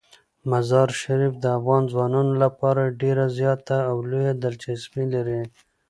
مزارشریف د افغان ځوانانو لپاره ډیره زیاته او لویه دلچسپي لري.